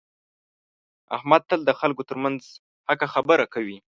احمد تل د خلکو ترمنځ حقه خبره کوي.